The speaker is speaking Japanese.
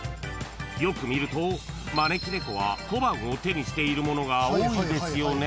［よく見ると招き猫は小判を手にしているものが多いですよね］